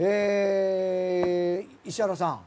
石原さん。